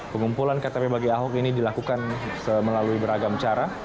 pengumpulan ktp bagi ahok ini dilakukan melalui beragam cara